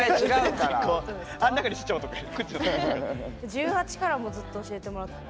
１８からずっと教えてもらって。